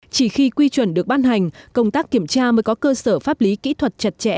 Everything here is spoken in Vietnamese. chỉ khi quy chuẩn được ban hành công tác kiểm tra mới có cơ sở pháp lý kỹ thuật chặt chẽ